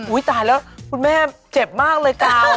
อุ๊ยตายแล้วคุณแม่เจ็บมากเลยก้าว